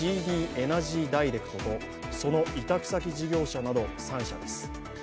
エナジーダイレクトとその委託先事業者など３社です。